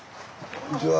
こんにちは！